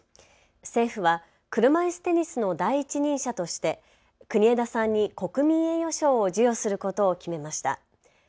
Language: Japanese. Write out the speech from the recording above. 政府は車いすテニスの第一人者として国枝さんに国民栄誉賞を授与することを決めました。